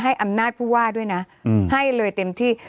อำนาจผู้ว่าด้วยนะให้เลยเต็มที่